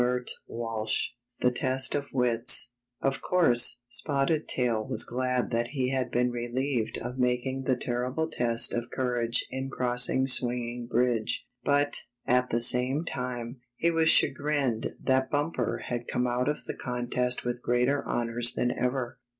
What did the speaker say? STORY VII THE TEST OF WITS Of course, Spotted Tail was glad that he had been relieved of making the terrible test of courage in crossing Swinging Bridge, but, at the same time, he was chagrined that Bumper had come out of the contest with greater honors than ever.